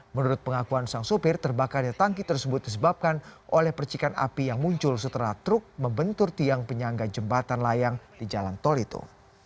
menurut pengakuan sang sopir terbakarnya tangki tersebut disebabkan oleh percikan api yang muncul setelah truk membentur tiang penyangga jembatan layang di jalan tol itu